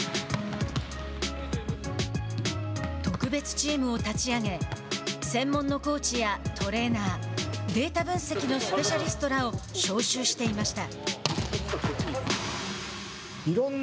特別チームを立ち上げ専門のコーチやトレーナーデータ分析のスペシャリストらを招集していました。